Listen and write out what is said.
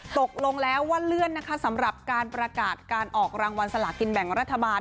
ตกลงแล้วว่าเลื่อนนะคะสำหรับการประกาศการออกรางวัลสลากินแบ่งรัฐบาล